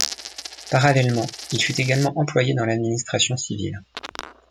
Parallèlement, il fut également employé dans l'administration civile.